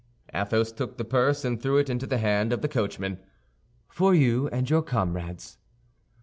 Athos took the purse, and threw it into the hand of the coachman. "For you and your comrades."